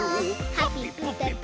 ハッピーぷぺぽ！」